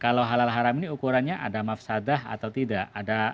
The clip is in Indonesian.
kalau halal haram ini ukurannya ada mafsadah atau tidak